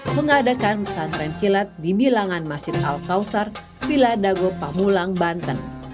mengadakan pesantren kilat di bilangan masjid al kausar villa dago pamulang banten